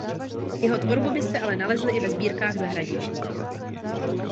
Jeho tvorbu byste ale nalezli i ve sbírkách zahraničních.